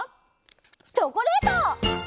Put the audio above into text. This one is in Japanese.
「チョコレート！」